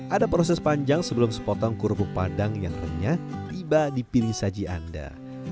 ada proses panjang sebelum sepotong kerupuk padang yang renyah tiba dipilih saji anda